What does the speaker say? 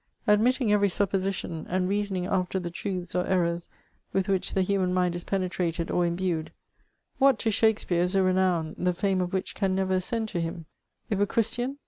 Admitting every supposition, and reasoning after the truths or errors with which the human mind is penetrated or imbued, what to Shakspeare is a renown the fame of which can never ascend to him ? If a Christian